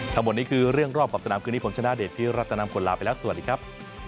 ทั้งหมดนี้คือเรื่องรอบขอบสนามคืนนี้ผมชนะเดชพี่รัตนามคนลาไปแล้วสวัสดีครับ